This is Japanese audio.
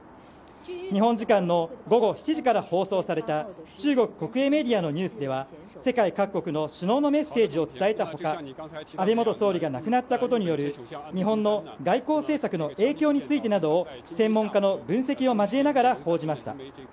日本時間の午後７時から放送された中国国営メディアのニュースでは世界各国の首脳のメッセージを伝えた他安倍元総理が亡くなったことによる日本の外交政策の影響についてなどを専門家の分析を交えながら報じました。